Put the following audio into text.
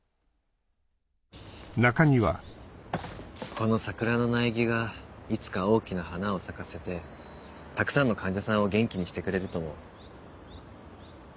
この桜の苗木がいつか大きな花を咲かせてたくさんの患者さんを元気にしてくれると思う。